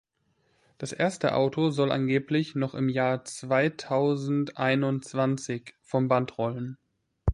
Das erste Auto soll angeblich noch im Jahr zweitausendeinundzwanzig vom Band rollen.